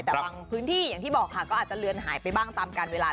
แต่บางพื้นที่อย่างที่บอกค่ะก็อาจจะเลือนหายไปบ้างตามการเวลา